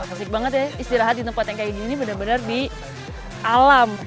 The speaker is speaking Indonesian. asik banget ya istirahat di tempat yang kayak gini benar benar di alam